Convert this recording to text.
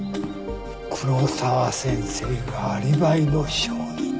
黒沢先生がアリバイの証人。